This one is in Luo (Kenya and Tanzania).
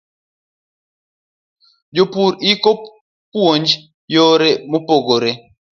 Jopur ibiro puonj yore mopogore